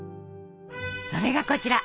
それがこちら！